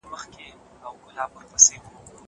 زه پرون کتابتون ته راځم وم!!